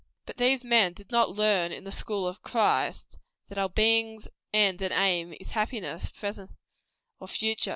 But these men did not learn in the school of Christ, that our "beings end and aim" is happiness, present or future.